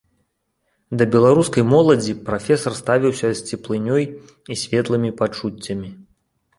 Да беларускай моладзі прафесар ставіўся з цеплынёй і светлымі пачуццямі.